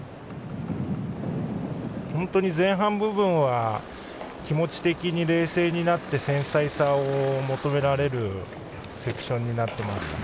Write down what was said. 本当に前半部分は気持ち的に冷静になって繊細さを求められるセクションになっています。